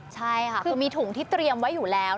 ใช่ค่ะคือมีถุงที่เตรียมไว้อยู่แล้ว